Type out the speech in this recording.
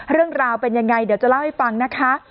เรื่องราวเป็นยังไงเดี๋ยวจะเล่าให้ฟังนะคะ